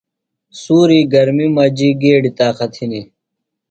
سُوری گرمیۡ مجیۡ گیڈیۡ طاقت ہِنیۡ۔